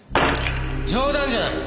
冗談じゃない！